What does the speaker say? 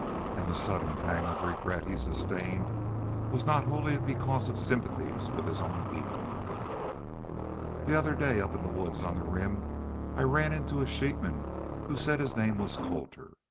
And the sudden pang of regret he sustained was not wholly because of sympathies with his own people. "The other day back up in the woods on the Rim I ran into a sheepman who said his name was Colter.